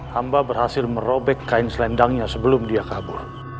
hamba berhasil merobek kain selendangnya sebelum dia kabur